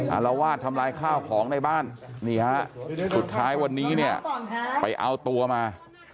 อารวาสทำลายข้าวของในบ้านนี่ฮะสุดท้ายวันนี้เนี่ยไปเอาตัวมา